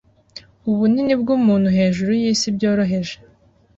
ubunini bwumuntu hejuru yisi byoroheje